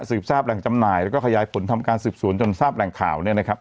สืบทราบแหล่งจำหน่ายแล้วก็ขยายผลทำการสืบสวนจนทราบแหล่งข่าวเนี่ยนะครับ